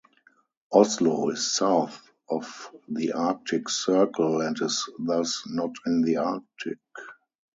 Oslo is south of the Arctic Circle, and is thus not in the arctic.